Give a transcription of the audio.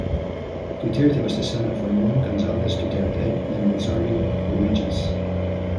Duterte was the son of Ramon Gonzales Duterte and Rosario Regis.